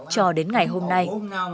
cho đến ngày hôm nay